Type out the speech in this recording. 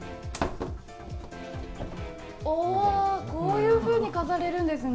こういうふうに飾れるんですね。